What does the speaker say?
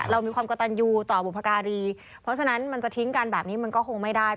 เรามีความกระตันยูต่อบุพการีเพราะฉะนั้นมันจะทิ้งกันแบบนี้มันก็คงไม่ได้